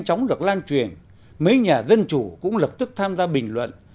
phong mô sa hà tĩnh